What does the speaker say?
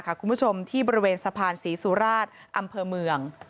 คุณผู้ชมที่บริเวณสะพานศรีสุราชอำเภอเมือง